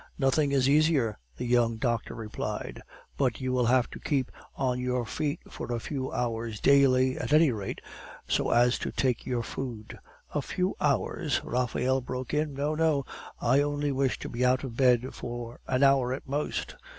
"Nothing is easier," the young doctor replied; "but you will have to keep on your feet for a few hours daily, at any rate, so as to take your food." "A few hours!" Raphael broke in; "no, no! I only wish to be out of bed for an hour at most."